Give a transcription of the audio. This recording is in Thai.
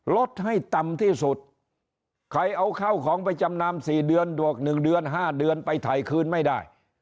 ลดให้ต่ำที่สุดใครเอาข้าวของไปจำนำ๔เดือนบวก๑เดือน๕เดือนไปถ่ายคืนไม่ได้